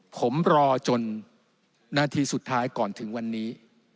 ผมรอจนนาทีสุดท้ายก่อนถึงวันนี้